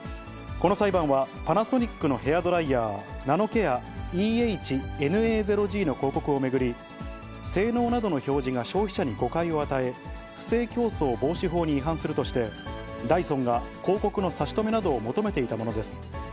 この裁判は、パナソニックのヘアドライヤー、ナノケアＥＨーＮＡ０Ｇの広告を巡り、性能などの表示が消費者に誤解を与え、不正競争防止法に違反するとして、ダイソンが広告の差し止めなどを求めていたものです。